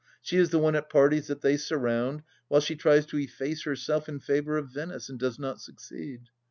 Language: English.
She is the one at parties that they surround, while she tries to efface herself in favour of Venice, and does not succeed.